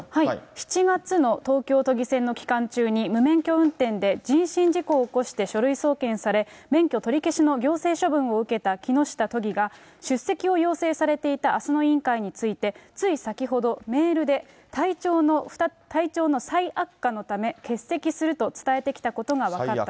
７月の東京都議選の期間中に、無免許運転で人身事故を起こして書類送検され、免許取り消しの行政処分を受けた木下都議が出席を要請されていたあすの委員会について、つい先ほど、メールで、体調の再悪化のため、欠席すると伝えてきたことが分かりました。